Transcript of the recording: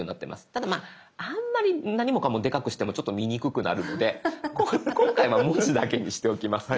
ただあんまり何もかもでかくしてもちょっと見にくくなるので今回は文字だけにしておきますね。